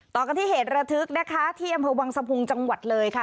ต่อกันที่เหตุระทึกนะคะที่อำเภอวังสะพุงจังหวัดเลยค่ะ